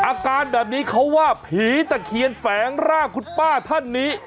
อาการแบบนี้เขาว่าผีตะเคียนแฝงร่างคุณป้าท่านนี้